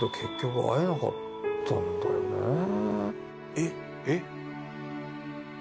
えっ？えっ？